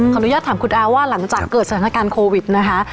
อนุญาตถามคุณอาว่าหลังจากเกิดสถานการณ์โควิดนะคะ